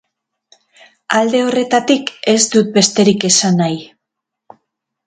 Alde horretatik ez dut besterik esan nahi.